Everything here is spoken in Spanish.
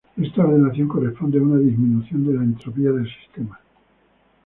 Esta ordenación corresponde a una disminución de la entropía del sistema.